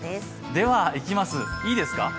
では、いきます、いいですか。